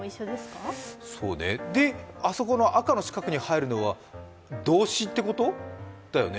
あそこの赤の四角に入るのは動詞ってことだよね？